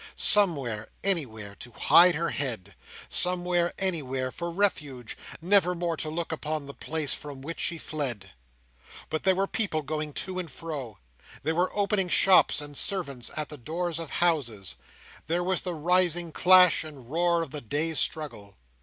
Somewhere, anywhere, to hide her head! somewhere, anywhere, for refuge, never more to look upon the place from which she fled! But there were people going to and fro; there were opening shops, and servants at the doors of houses; there was the rising clash and roar of the day's struggle.